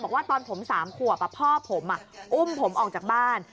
บอกว่าตอนผม๓ขวบพ่อผมอุ้มผมออกจากบ้าน